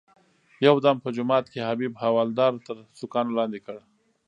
یو دم په جومات کې حبیب حوالدار تر سوکانو لاندې کړ.